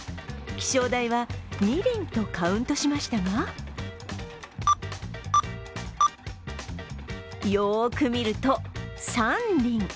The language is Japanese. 気象台は２輪とカウントしましたがよーく見ると３輪。